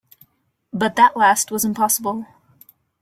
But that last was impossible.